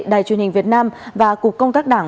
đài truyền hình việt nam và cục công tác đảng